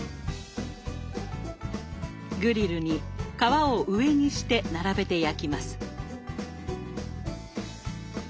グリルに皮を上にして並べて焼きます。